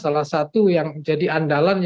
salah satu yang jadi andalan yaitu kartu misalnya